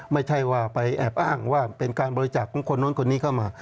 ไม่ใช่ว่าไปแอบอ้างว่าเป็นการบริจาคของคนนู้นคนนี้เข้ามา